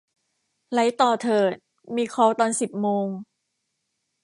ไหลต่อเถิด มีคอลตอนสิบโมง